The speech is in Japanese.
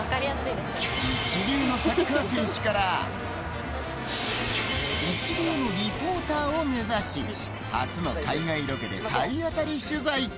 一流のサッカー選手から一流のリポーターを目指し初の海外ロケで体当たり取材。